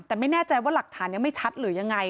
แต่ไม่แน่ใจว่าหลักฐานยังไม่ชัดหรือยังไง